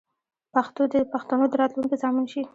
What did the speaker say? پښتو دې د پښتنو د راتلونکې ضامن شي.